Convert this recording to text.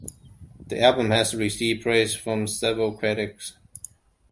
The album has received praise from several critics.